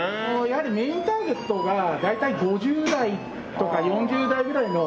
やはりメインターゲットが大体５０代とか４０代ぐらいの。